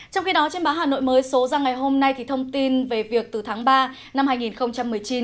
trong khi đó trên báo hà nội mới số ra ngày hôm nay thông tin về việc từ tháng ba năm hai nghìn một mươi chín